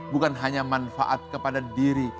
bukan hanya manfaat kepada diri